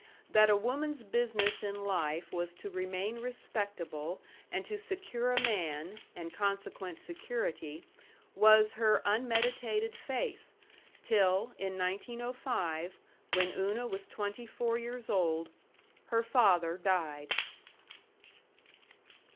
That a woman's business in life was to remain respectable and to secure a man, and consequent security, was her unmeditated faith till, in 1905, when Una was twenty four years old, her father died.